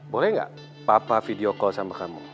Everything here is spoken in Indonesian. boleh nggak papa video call sama kamu